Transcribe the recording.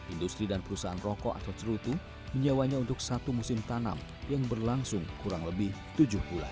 industri dan perusahaan rokok atau cerutu menyewanya untuk satu musim tanam yang berlangsung kurang lebih tujuh bulan